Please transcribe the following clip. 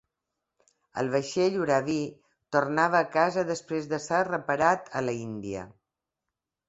El vaixell "Huravee" tornava a casa després de ser reparat a l'Índia.